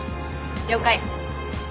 了解。